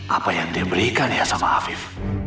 apa yang dia berikan ya sama afif